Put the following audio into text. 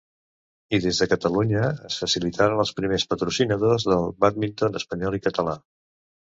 I des de Catalunya es facilitaren els primers patrocinadors del bàdminton espanyol i català.